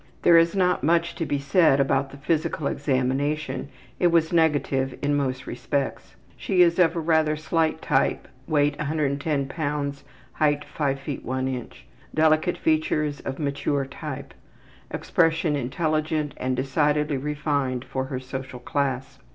There is not much to be said about the physical examination; it was negative in most respects. She is of rather slight type; weight 110 lbs., height 5 ft. 1 in. Delicate features of mature type. Expression intelligent and decidedly refined for her social class.